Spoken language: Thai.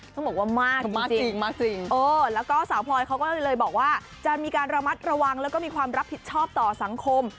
ต้องบอกว่ามากจริงแล้วก็สาวพลอยเขาก็เลยบอกว่าจะมีการระมัดระวังแล้วก็มีความรับผิดชอบต่อสังคม